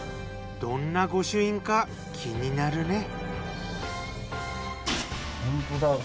どんな御朱印か気になるね。